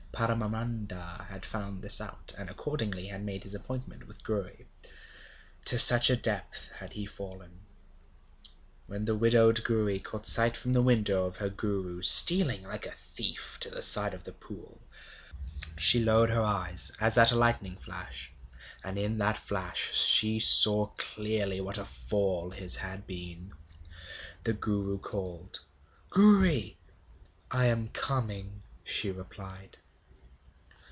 Paramananda had found this out, and accordingly had made his appointment with Gouri. To such a depth had he fallen! When the widowed Gouri caught sight from the window of her Guru stealing like a thief to the side of the pool, she lowered her eyes as at a lightning flash. And in that flash she saw clearly what a fall his had been. The Guru called: 'Gouri.' 'I am coming,' she replied.